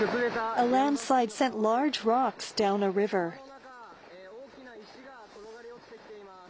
川の中、大きな石が転がり落ちてきています。